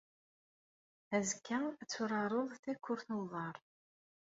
Azekka, ad turareḍ takurt n uḍar.